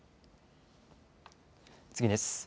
次です。